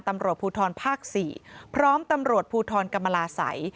ตำรวจภูทรภาค๔พร้อมตำรวจภูทรกรรมลาศัย